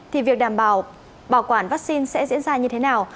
thì việc đảm bảo bảo quản vaccine sẽ diễn ra như thế nào